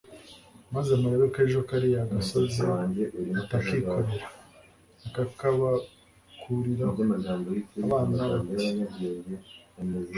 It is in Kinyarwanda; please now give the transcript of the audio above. maze murebe ko ejo kariya gasozi atakikorera akakabakuriraho! abana bati